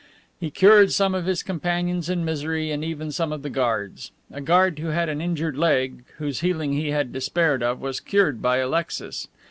He cured some of his companions in misery, and even some of the guards. A guard who had an injured leg, whose healing he had despaired of, was cured by Alexis.